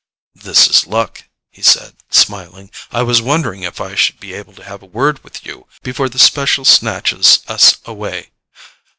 "This is luck," he said smiling. "I was wondering if I should be able to have a word with you before the special snatches us away.